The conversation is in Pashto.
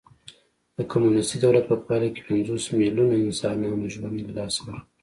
د کمونېستي دولت په پایله کې پنځوس میلیونو انسانانو ژوند له لاسه ورکړ